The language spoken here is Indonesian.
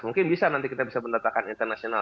mungkin bisa nanti kita bisa mendatangkan internasional